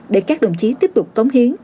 để các đồng chí tiếp tục tống hiến